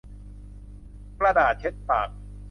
กระดาษเช็ดปาก